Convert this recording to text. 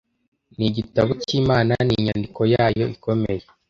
nigitabo cyimana ni inyandiko yayo ikomeye